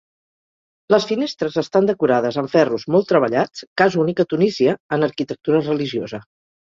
Les finestres estan decorades amb ferros molt treballats, cas únic a Tunísia en arquitectura religiosa.